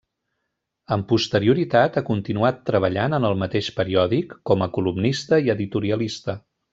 Amb posterioritat ha continuat treballant en el mateix periòdic com a columnista i editorialista.